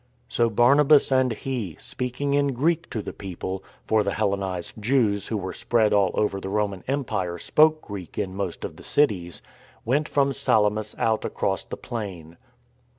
So Barnabas and he, speaking in Greek to the people ( for the Hellenised Jews who were spread all over the THE ISLAND ADVENTURE 121 Roman Empire spoke Greek in most of the cities), went from Salamis out across the plain.